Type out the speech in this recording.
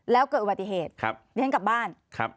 แล้วเกิดอุบัติเหตุเดี๋ยวฉันกลับบ้าน